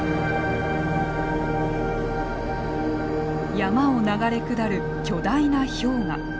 山を流れ下る巨大な氷河。